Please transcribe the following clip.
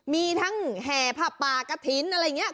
มีทั้งแห่ผ้าปากะทินอะไรอย่างเงี้ย